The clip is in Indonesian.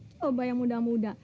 coba yang muda muda